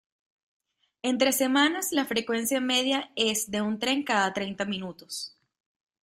Entre semanas la frecuencia media es de un tren cada treinta minutos.